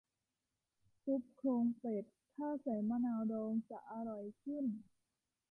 ซุปโครงเป็ด ถ้าใส่มะนาวดองจะอร่อยขึ้น